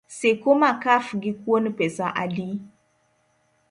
Sikuma kaf gi kuon pesa adi?